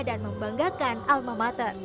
dan membanggakan alma mater